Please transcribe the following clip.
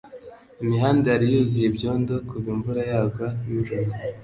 Imihanda yari yuzuye ibyondo kuva imvura yagwaga nijoro